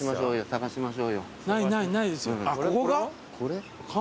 これ？